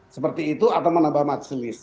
seperti itu atau menambah majelis